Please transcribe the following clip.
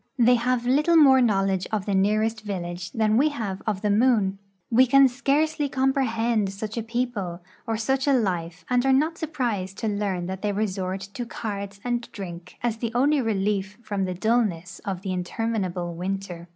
They have little more knowledge of the nearest vil lage than we have of the moon. We can scarce!}^ comprehend such a people or such a life and are not surprised to learn that they resort to cards and drink as the only relief from the dullness of the interminable winter.